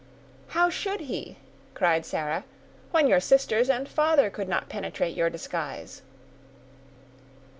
"How should he?" cried Sarah, "when your sisters and father could not penetrate your disguise."